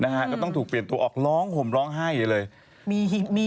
นะฮะก็ต้องถูกเปลี่ยนตัวออกร้องผมร้องไห้อย่างนี้เลย